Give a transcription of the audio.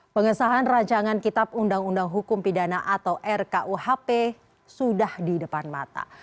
pengesahan rajangan kitab undang undang hukum pidana atau rkuhp sudah di depan mata